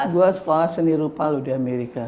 gue sekolah seni rupa loh di amerika